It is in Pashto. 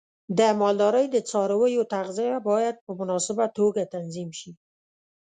د مالدارۍ د څارویو تغذیه باید په مناسبه توګه تنظیم شي.